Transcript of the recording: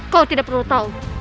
kau tidak perlu tahu